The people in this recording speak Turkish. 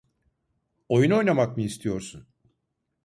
Oyun oynamak mı istiyorsun?